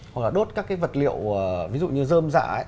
hoặc là đốt các cái vật liệu ví dụ như dơm dạ ấy